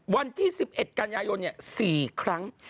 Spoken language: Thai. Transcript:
วันที่๑๑กัญญาโยนเนี่ย๔ครั้ง